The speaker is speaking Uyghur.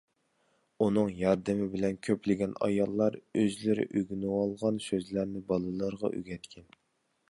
ئۇنىڭ ياردىمى بىلەن كۆپلىگەن ئاياللار ئۆزلىرى ئۆگىنىۋالغان سۆزلەرنى بالىلىرىغا ئۆگەتكەن.